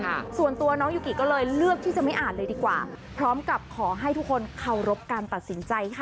ส่วนตัวน้องยูกิก็เลยเลือกที่จะไม่อ่านเลยดีกว่าพร้อมกับขอให้ทุกคนเคารพการตัดสินใจค่ะ